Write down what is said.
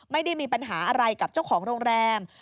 ไม่ได้มีปัญหาอะไรกับเจ้าของโรงแรม